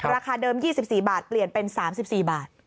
ราคาเดิม๒๔บาทเปลี่ยนเป็น๓๔บาท